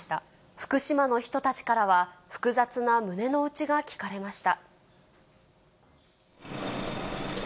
福島の人たちからは、複雑な胸の内が聞かれました。